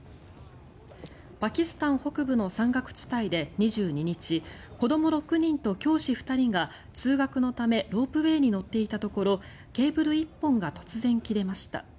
パキスタン北部の山岳地帯で２２日子ども６人と教師２人が通学のためロープウェーに乗っていたところケーブル１本が突然切れました。